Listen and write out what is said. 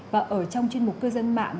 và ở trong chuyên mục cư dân mạng